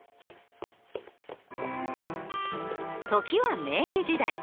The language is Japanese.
時は明治時代。